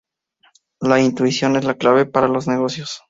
La intuición es la clave para los negocios.